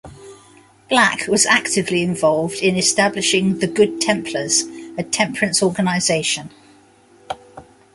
Black was actively involved in establishing the Good Templars, a temperance organization.